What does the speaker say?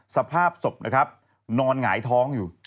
สภาพศพนะครับนอนหงายท้องอยู่